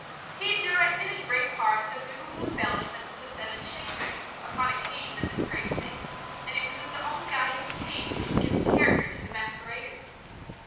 He had directed, in great part, the movable embellishments of the seven chambers, upon occasion of this great fête; and it was his own guiding taste which had given character to the masqueraders.